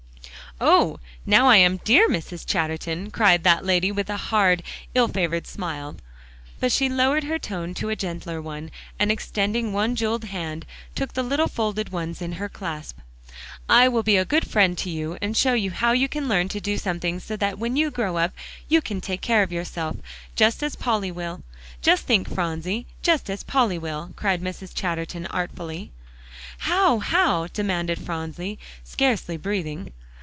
"Oh! now I am dear Mrs. Chatterton," cried that lady, with a hard, ill favored smile. But she lowered her tone to a gentler one, and extending one jeweled hand, took the little folded ones in her clasp. "I will be a good friend to you, and show you how you can learn to do something so that when you grow up, you can take care of yourself, just as Polly will. Just think, Phronsie, just as Polly will," cried Mrs. Chatterton artfully. "How how?" demanded Phronsie, scarcely breathing.